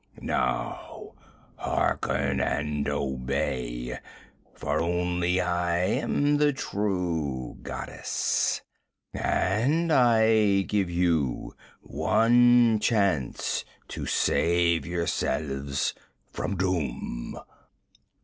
Now harken and obey, for only I am the true goddess, and I give you one chance to save yourselves from doom!